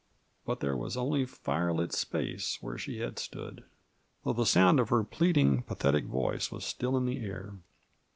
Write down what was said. But there was only firelit space where she had stood, tliough the sound of her pleading, pathetic voice was still in the air.